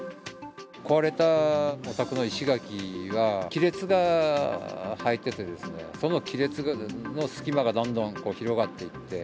壊れたお宅の石垣が、亀裂が入っててですね、その亀裂の隙間がどんどん広がっていって。